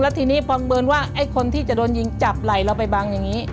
ทีนี้พอเมินว่าไอ้คนที่จะโดนยิงจับไหล่เราไปบังอย่างนี้